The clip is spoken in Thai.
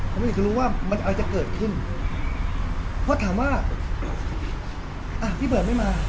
ผมอยากจะรู้ว่ามันอะไรจะเกิดขึ้นเพราะถามว่าอ่ะพี่เบิร์ดไม่มา